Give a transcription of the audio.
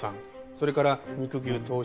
それから肉牛投資